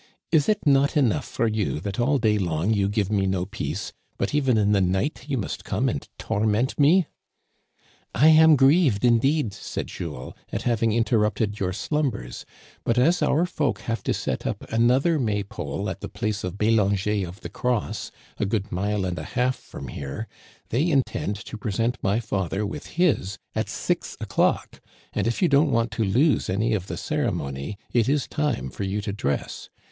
Is it not enough for you that all day long you give me no peace, but even in the night you must come and torment me?" " I am grieved, indeed," said Jules, " at having inter rupted your slumbers ; but as our folk have to set up another May pole at the place of Bélanger of the Cross, a good mile and a half from here, they intend to pre sent my father with his at six o'clock ; and if you don't want to lose any of the ceremony it is time for you to dress.